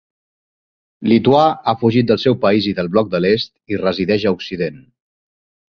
Lituà, ha fugit del seu país i del Bloc de l'Est, i resideix a Occident.